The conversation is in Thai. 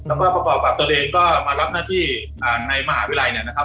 แล้วก็ประกอบตัวเองก็มารับหน้าที่ในมหาวิรัยนะครับ